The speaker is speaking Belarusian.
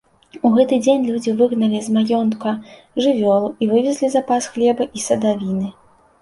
У гэты дзень людзі выгналі з маёнтка жывёлу і вывезлі запас хлеба і садавіны.